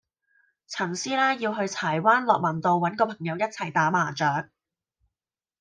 陳師奶要去柴灣樂民道搵個朋友一齊打麻雀